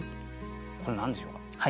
これ何でしょうか？